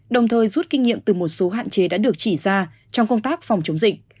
đồng thời rút kinh nghiệm từ một số hạn chế đã được chỉ ra trong công tác phòng chống dịch